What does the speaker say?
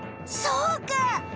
そうか！